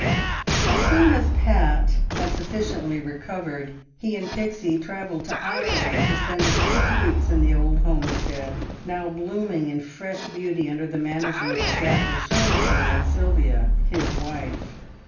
As soon as Pat had sufficiently recovered, he and Pixie travelled to Ireland to spend a few weeks in the old homestead, now blooming in fresh beauty under the management of Jack O'Shaughnessy and Sylvia his wife.